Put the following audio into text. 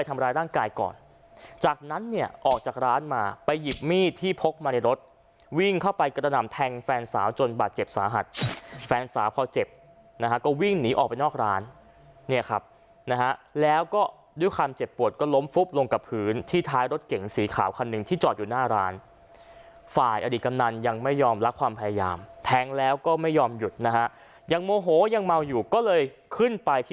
ตอนนั้นเนี่ยออกจากร้านมาไปหยิบมีดที่พกมาในรถวิ่งเข้าไปกระดำแทงแฟนสาวจนบาดเจ็บสาหัสแฟนสาวพอเจ็บนะฮะก็วิ่งหนีออกไปนอกร้านเนี่ยครับนะฮะแล้วก็ด้วยความเจ็บปวดก็ล้มฟุ๊บลงกับพื้นที่ท้ายรถเก่งสีขาวคันนึงที่จอดอยู่หน้าร้านฝ่ายอดีตกำนานยังไม่ยอมรักความพยายามแทงแล้วก็ไม